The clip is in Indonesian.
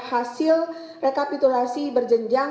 hasil rekapitulasi berjenjang